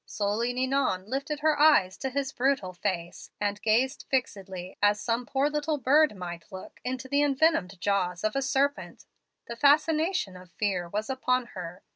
"Slowly Ninon lifted her eyes to his brutal face, and gazed fixedly as some poor little bird might look into the envenomed jaws of a serpent. The fascination of fear was upon her.